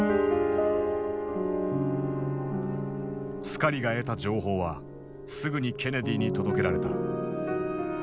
スカリが得た情報はすぐにケネディに届けられた。